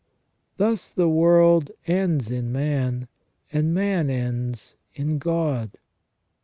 Thus the world ends in man, and man ends in God.